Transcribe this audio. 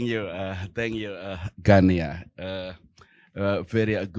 ini adalah kesenangan berada di sini